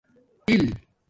تل